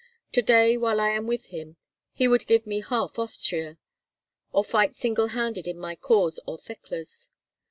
To day, while I am with him, he would give me half Austria, or fight single handed in my cause or Thekla's.